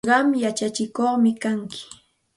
Qam yachatsikuqmi kanki.